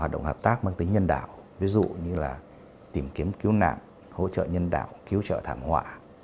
đồng hợp tác mang tính nhân đạo ví dụ như là tìm kiếm cứu nạn hỗ trợ nhân đạo cứu trợ thảm họa